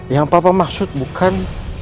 yang papa maksud bukan